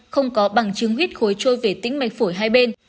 không có bằng chứng huyết khối trôi về tĩnh mạch phổi hai bên